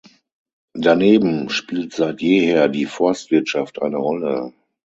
Daneben spielt seit jeher die Forstwirtschaft eine Rolle.